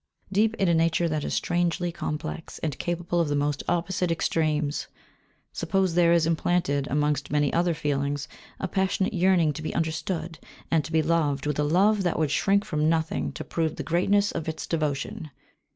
Deep in a nature that is strangely complex, and capable of the most opposite extremes, suppose there is implanted, amongst many other feelings, a passionate yearning to be understood, and to be loved with a love that would shrink from nothing to prove the greatness of its devotion.